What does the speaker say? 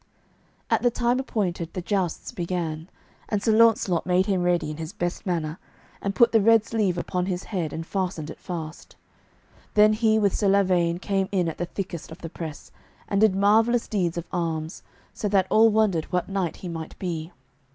At the time appointed the jousts began, and Sir Launcelot made him ready in his best manner, and put the red sleeve upon his head, and fastened it fast. Then he with Sir Lavaine came in at the thickest of the press, and did marvellous deeds of arms, so that all wondered what knight he might be.